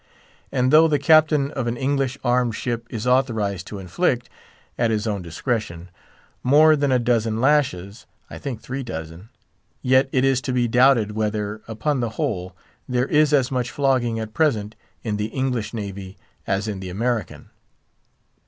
And though the captain of an English armed ship is authorised to inflict, at his own discretion, more than a dozen lashes (I think three dozen), yet it is to be doubted whether, upon the whole, there is as much flogging at present in the English Navy as in the American.